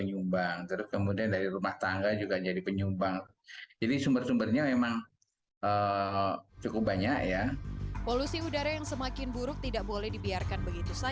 yang dibuka bumi ada india ada china dan sebagainya